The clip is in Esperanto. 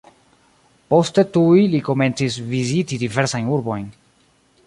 Poste tuj li komencis viziti diversajn urbojn.